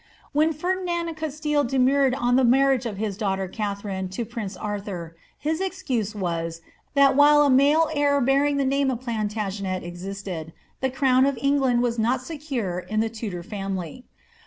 When Ferdinand of Gastille demurred on the marriage of his daughter Katharine to prince Arthur, his excuse was, that while a male heir hearing the name of Plantagenet existed, the crown of England was not secure in the Tudor family.